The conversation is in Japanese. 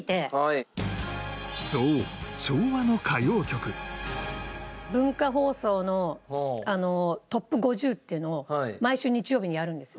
そう文化放送のトップ５０っていうのを毎週日曜日にやるんですよ。